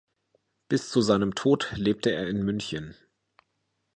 Bis zu seinem Tod lebte er in München.